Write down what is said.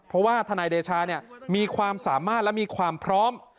เพราะว่าทนายเดชามีความสามารถและมีความพร้อม